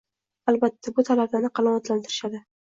Albatta bu talablarni qanoatlantirishadi